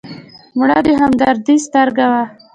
مړه د همدردۍ سترګه وه